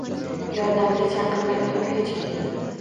Yordamga chaqirmay turib hech kimni…